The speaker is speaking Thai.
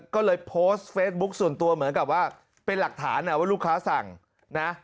ก็เลยโพสต์เฟซบุ๊คส่วนตัวเหมือนกับว่าเป็นหลักฐานว่าลูกค้าสั่งนะ